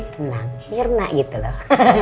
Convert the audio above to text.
tenang mirna gitu loh